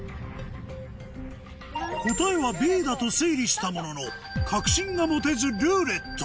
答えはＢだと推理したものの確信が持てず「ルーレット」